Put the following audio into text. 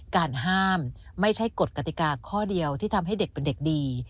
การห้ามไม่ใช่กฎกติกาข้อเดียวที่ทำให้เด็กเป็นเด็กดี